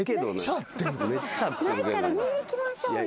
ないから見に行きましょうよ。